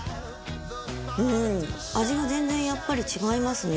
うん味が全然やっぱり違いますね。